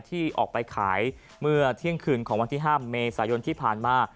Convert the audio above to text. ที่ออกไปขายเมื่อเที่ยงคืนของวันที่๕เมษายนที่ผ่านมา